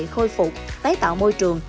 khôi phục tái tạo môi trường